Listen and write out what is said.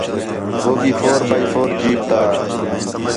ہو بھی فور بائی فور جیپ تا